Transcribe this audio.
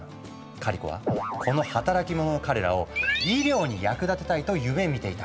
カリコはこの働き者の彼らを医療に役立てたいと夢みていたんだとか。